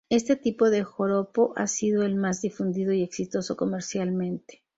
Este tipo de joropo ha sido el más difundido y exitoso comercialmente.